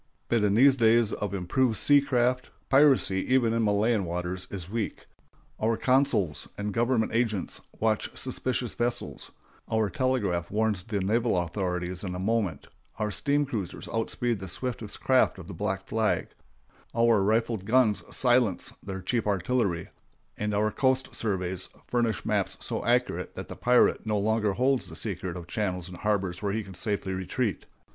But in these days of improved sea craft, piracy, even in Malayan waters, is weak. Our consuls and government agents watch suspicious vessels; our telegraph warns the naval authorities in a moment; our steam cruisers outspeed the swiftest craft of the black flag; our rifled guns silence their cheap artillery; and our coast surveys furnish maps so accurate that the pirate no longer holds the secret of channels and harbors where he can safely retreat.